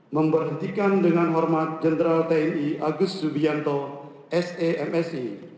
memberhentikan dengan hormat jenderal tni agus subianto semsi